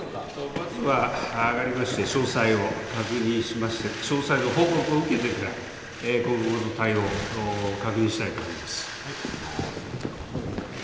まずは、詳細を確認しまして、詳細の報告を受けてから、今後の対応を確認したいと思います。